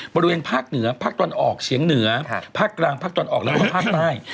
บริเวณภาคเหนือภาคตะวันออกเฉียงเหนือภาคกลางภาคตะวันออกแล้วก็ภาคใต้